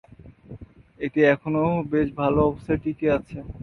এটি এখনও বেশ ভাল অবস্থায় টিকে আছে।